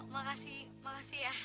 makasih makasih ya